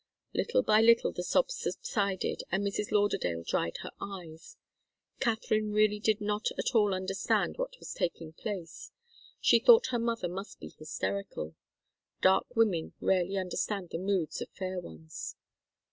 Little by little the sobs subsided and Mrs. Lauderdale dried her eyes. Katharine really did not at all understand what was taking place. She thought her mother must be hysterical. Dark women rarely understand the moods of fair ones.